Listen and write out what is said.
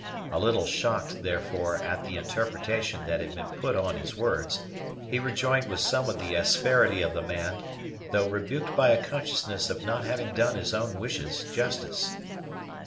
A little shocked, therefore, at the interpretation that had been put on his words, he rejoined with some of the asperity of the man, though rebuked by a consciousness of not having done his own wishes justice.